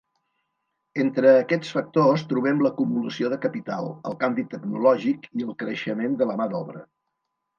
Entre aquests factors, trobem l'acumulació de capital, el canvi tecnològic i el creixement de la mà d'obra.